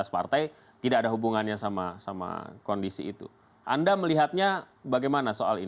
pertanyaan kita juga begini